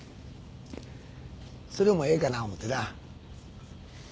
それもええかな思うてな。